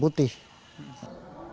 saya sudah mencabutnya